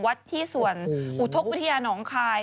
ที่ส่วนอุทธกวิทยาน้องคาย